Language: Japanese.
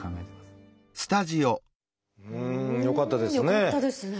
よかったですね。